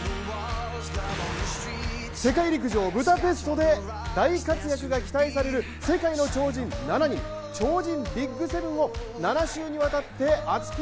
世界陸上ブダペストで大活躍が期待される世界の超人７人超人ＢＩＧ７を７週にわたって熱く！